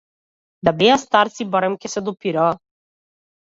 Да беа старци барем ќе се допираа.